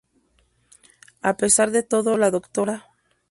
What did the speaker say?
A pesar de todo la Dra.